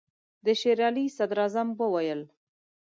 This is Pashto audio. د شېر علي صدراعظم وویل.